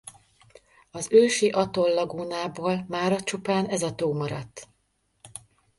Az ősi atoll lagúnából mára csupán ez a tó maradt.